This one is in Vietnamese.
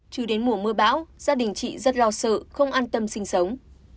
chứ đến mùa mưa bão gia đình chị rất lo sợ không an tâm sinh sống